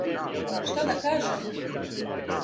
Шта да каже?